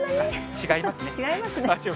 違いますね。